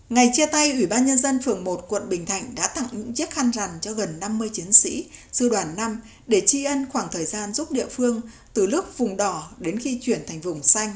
ngày chia tay ủy ban nhân dân phường một quận bình thạnh đã tặng những chiếc khăn rằn cho gần năm mươi chiến sĩ sư đoàn năm để tri ân khoảng thời gian giúp địa phương từ lớp vùng đỏ đến khi chuyển thành vùng xanh